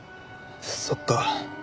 そっか。